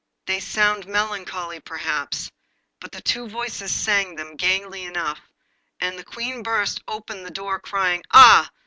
They sound melancholy perhaps, but the two voices sang them gaily enough, and the Queen burst open the door, crying, 'Ah!